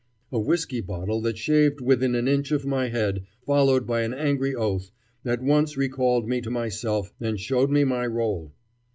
A whiskey bottle that shaved within an inch of my head, followed by an angry oath, at once recalled me to myself and showed me my role.